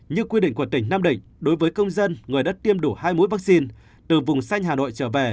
như quy định của tỉnh nam định đối với công dân người đã tiêm đủ hai mũi vaccine từ vùng xanh hà nội trở về